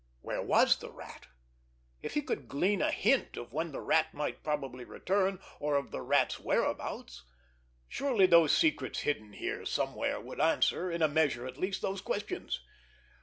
Where was the Rat? If he could glean a hint of when the Rat might probably return, or of the Rat's whereabouts! Surely those secrets hidden here somewhere would answer, in a measure at least, those questions.